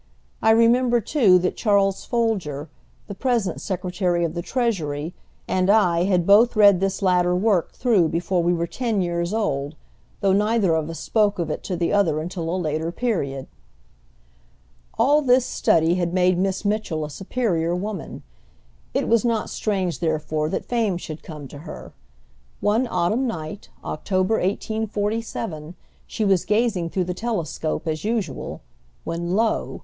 I remember too that Charles Folger, the present Secretary of the Treasury, and I had both read this latter work through before we were ten years old, though neither of us spoke of it to the other until a later period." All this study had made Miss Mitchell a superior woman. It was not strange, therefore, that fame should come to her. One autumn night, October, 1847, she was gazing through the telescope, as usual, when, lo!